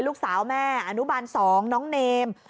ลูกสาวแม่อนุบาล๒น้องเนม